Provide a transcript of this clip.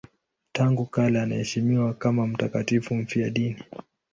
Tangu kale anaheshimiwa kama mtakatifu mfiadini.